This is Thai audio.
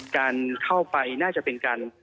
การเข้าไปน่าจะเป็นการ